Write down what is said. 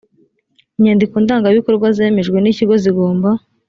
inyandiko ndangabikorwa zemejwe n ikigo zigomba